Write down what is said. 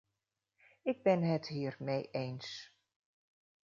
Ik ben het hier mee eens.